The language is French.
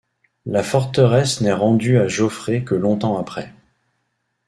La forteresse n'est rendue à Jaufré que longtemps après.